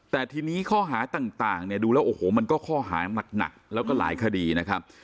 แต่ทีนี้ข้อหาต่างเนี่ยดูแล้วโอ้โหมันก็ข้อหานักแล้วก็หลายคดีนะครับ